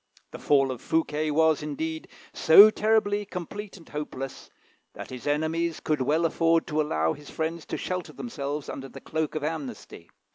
The fall of Fouquet was, indeed, so terribly complete and hopeless, that his enemies could well afford to allow his friends to shelter themselves under the cloak of amnesty.